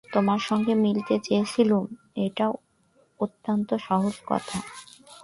তোমার সঙ্গে মিলতে চেয়েছিলুম এইটে অত্যন্ত সহজ কথা।